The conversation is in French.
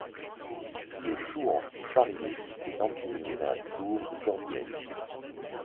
Le chouan Charrier est emprisonné dans la tour de Corbières.